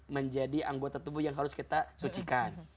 menjadi anggota tubuh yang harus kita sucikan